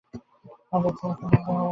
Mother church এবং father পোপকে ভালবাসা জানিও।